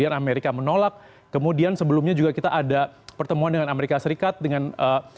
anda sudah menjabarkan bahwa rusia bersedia hadir kemudian amerika menolak bahkan kita kerja bertemu dengan amerika serikat dengan dibantu pertemuan